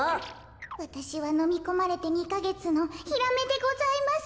わたしはのみこまれて２かげつのヒラメでございます。